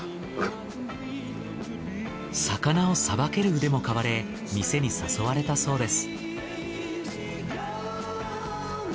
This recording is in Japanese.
魚を捌ける腕も買われ店に誘われたそうです。